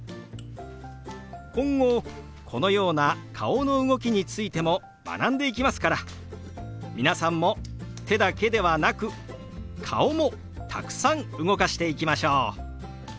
今後このような顔の動きについても学んでいきますから皆さんも手だけではなく顔もたくさん動かしていきましょう。